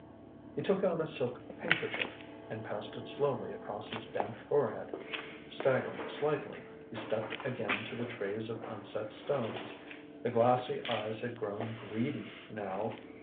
He took out a silk handkerchief and passed it slowly across his damp forehead. Staggering slightly, he stepped again to the trays of unset stones. The glassy eyes had grown greedy now.